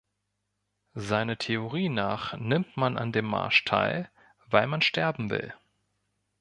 Seiner Theorie nach nimmt man an dem Marsch teil, weil man sterben will.